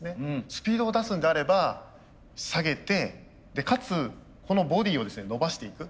スピードを出すんであれば下げてかつこのボディーをですね伸ばしていく。